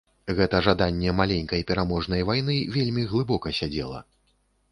Гэта жаданне маленькай пераможнай вайны вельмі глыбока сядзела.